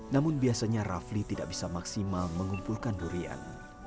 namun biasanya rafli tidak bisa maksimal mengumpulkan durian